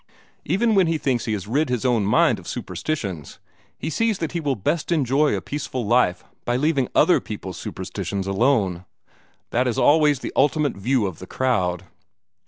Even when he thinks he has rid his own mind of superstitions, he sees that he will best enjoy a peaceful life by leaving other peoples' superstitions alone. That is always the ultimate view of the crowd."